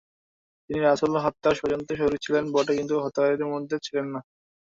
তিনিও রাসূল হত্যার ষড়যন্ত্রে শরীক ছিলেন বটে কিন্তু হত্যাকারীদের মধ্যে ছিলেন না।